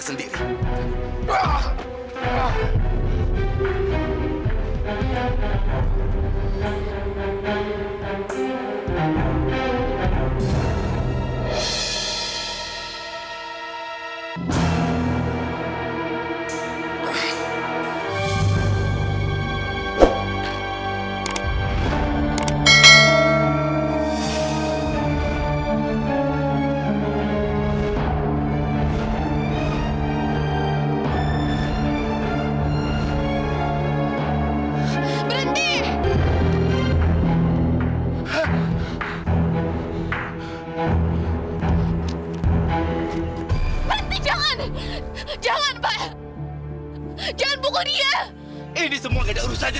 sampai jumpa di video selanjutnya